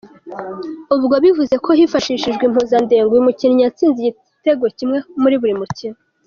Ubwo bivuze ko, hifashishijwe impuzandengo uyu mukinnyi yatsinze igitego kimwe muri buri mukino.